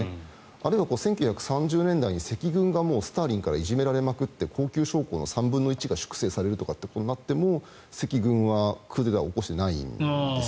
あるいは１９３０年代に赤軍がスターリンからいじめられまくって将校の３分の１が粛清されるということになっても赤軍はクーデターを起こしてないんです。